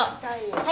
はい。